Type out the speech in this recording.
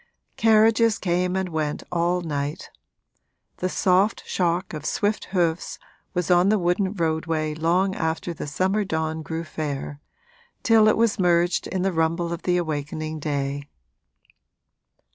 Carriages came and went all night; the soft shock of swift hoofs was on the wooden roadway long after the summer dawn grew fair till it was merged in the rumble of the awakening day.